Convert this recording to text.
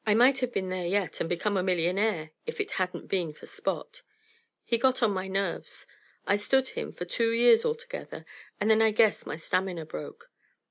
I might have been there yet, and become a millionaire, if it hadn't been for Spot. He got on my nerves. I stood him for two years altogether, and then I guess my stamina broke.